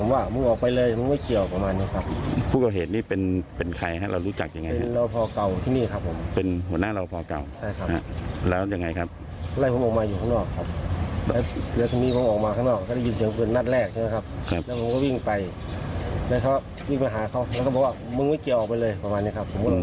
หน้าที่สองดังปั้งให้มาอีก